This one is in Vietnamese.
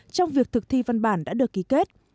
trong việc thực thi văn bản đã được ký kết